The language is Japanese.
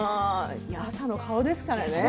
朝の顔ですからね。